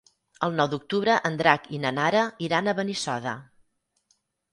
El nou d'octubre en Drac i na Nara iran a Benissoda.